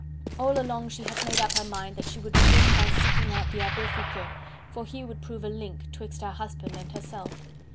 All along she had made up her mind that she would begin by seeking out the Abbe Foucquet, for he would prove a link 'twixt her husband and herself.